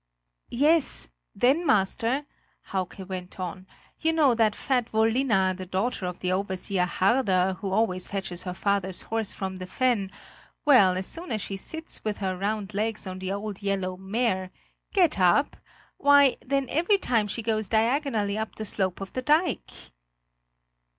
"Yes; then, master," Hauke went on; "you know that fat Vollina, the daughter of the overseer Harder, who always fetches her father's horse from the fen well, as soon as she sits with her round legs on the old yellow mare Get up! why, then every time she goes diagonally up the slope of the dike!"